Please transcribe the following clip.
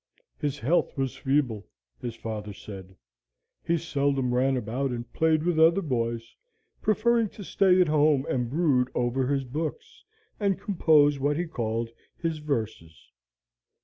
His health was feeble, his father said; he seldom ran about and played with other boys, preferring to stay at home and brood over his books, and compose what he called his verses.